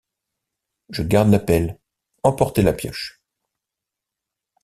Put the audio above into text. Je garde la pelle ; emportez la pioche.